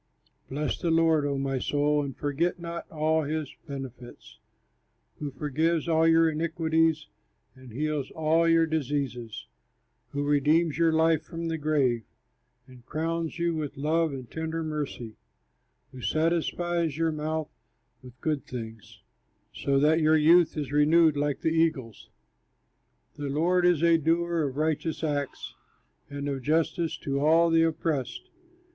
Bless the Lord, O my soul, And forget not all his benefits, Who forgives all your iniquities, And heals all your diseases, Who redeems your life from the grave, And crowns you with love and tender mercy, Who satisfies your mouth with good things, So that your youth is renewed like the eagle's. The Lord is a doer of righteous acts, And of justice to all the oppressed.